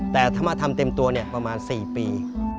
แต่ถ้ามาทำเต็มตัวประมาณ๔ปี